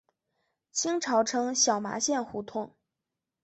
清朝称小麻线胡同。